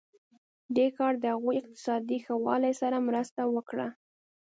دې کار د هغوی اقتصادي ښه والی سره مرسته وکړه.